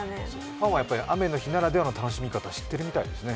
ファンは雨の日ならではの楽しみ方を知ってるみたいですね。